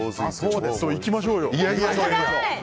行きましょうよ！